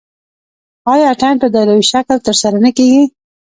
آیا اتن په دایروي شکل ترسره نه کیږي؟